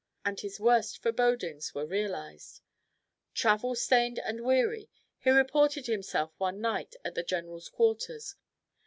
And his worst forebodings were realised. Travel stained and weary, he reported himself one night at the general's quarters.